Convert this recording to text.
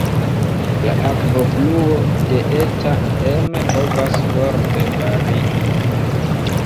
La akvofluo de Eta Emme povas forte varii.